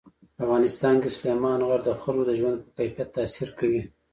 په افغانستان کې سلیمان غر د خلکو د ژوند په کیفیت تاثیر کوي.